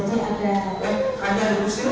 dengan bapak setia pesantri